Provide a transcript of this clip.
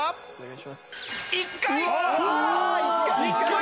１回！